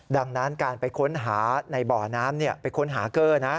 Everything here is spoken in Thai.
ดังนั้นการไปค้นหาในบ่อน้ำไปค้นหาเกอร์นะ